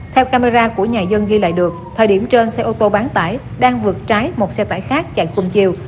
theo camera của nhà dân ghi lại được thời điểm trên xe ô tô bán tải đang vượt trái một xe tải khác chạy cùng chiều